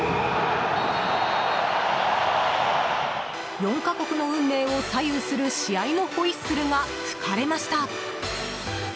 ４か国の運命を左右する試合のホイッスルが吹かれました。